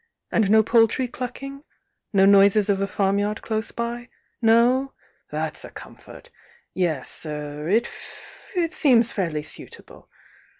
And no poultry clucking? — no noises of a farm jcrd close by? No? That's a comfort! Yes— er — it seems fairly suitable.